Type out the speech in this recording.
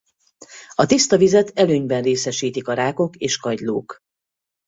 A tiszta vizet előnyben részesítik a rákok és kagylók.